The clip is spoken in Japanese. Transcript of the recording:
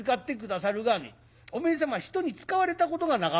おめえ様は人に使われたことがなかんべ。